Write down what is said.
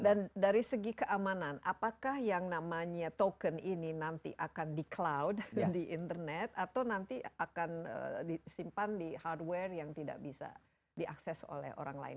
dan dari segi keamanan apakah yang namanya token ini nanti akan di cloud di internet atau nanti akan disimpan di hardware yang tidak bisa diakses oleh orang lain